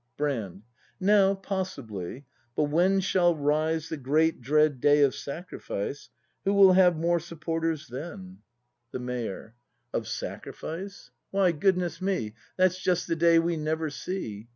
Brand. Now, possibly: but when shall rise The great dread day of sacrifice. Who will have more supporters then ? 168 BRAND [act iv The Mayor. Of sacrifice ? Why, goodness me. That's just the day we never see!